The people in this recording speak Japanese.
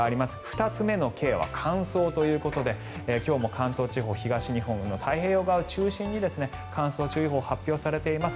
２つ目のＫは乾燥ということで今日も関東地方東日本の太平洋側を中心に乾燥注意報が発表されています。